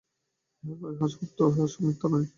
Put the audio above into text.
ইহা সত্য, মিথ্যা নয়।